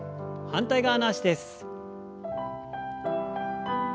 反対側の脚です。